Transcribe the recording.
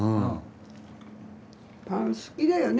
パン好きだよね